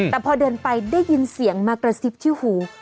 แต่พอเดินไปได้ยินเสียงมากระซิบที่หู